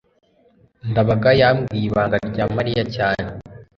ndabaga yambwiye ibanga rya mariya cyane